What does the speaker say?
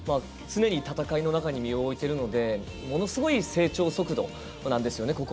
常に戦いの中に身を置いているのでものすごい成長速度なんですよね。